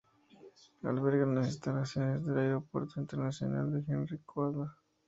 Alberga las instalaciones del Aeropuerto Internacional Henri Coandă.